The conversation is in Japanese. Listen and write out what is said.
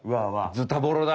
ズタボロだ。